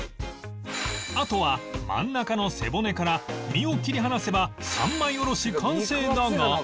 あとは真ん中の背骨から身を切り離せば３枚おろし完成だが